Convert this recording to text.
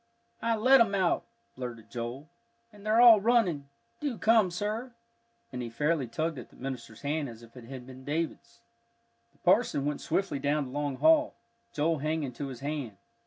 "I let 'em out," blurted Joel, "and they're all running. Do come, sir." And he fairly tugged at the minister's hand as if it had been David's. The parson went swiftly down the long hall, Joel hanging to his hand.